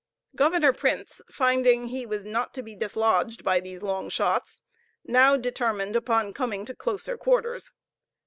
Governor Printz, finding he was not to be dislodged by these long shots, now determined upon coming to closer quarters.